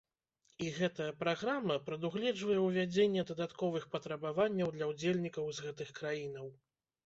І гэтая праграма прадугледжвае ўвядзенне дадатковых патрабаванняў для ўдзельнікаў з гэтых краінаў.